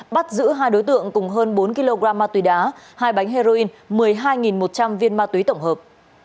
bắt giữ hai đối tượng cùng hơn bốn kg ma túy đá hai bánh heroin một mươi hai một trăm linh viên ma túy tổng hợp